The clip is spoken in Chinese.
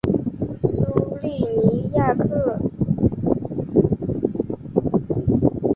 苏利尼亚克。